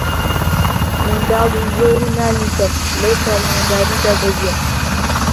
منداڵی زۆر و نانی کەم، لەوپەڕی نەداریدا دەژیا